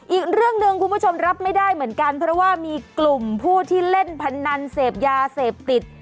อีกเรื่องหนึ่งคุณผู้ชมรับไม่ได้เหมือนกันเพราะว่ามีกลุ่มผู้ที่เล่นพนันเสพยาเสพติด